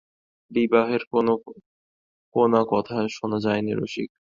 বিবাহের তো কোনা কথা শোনা যায় নি– রসিক।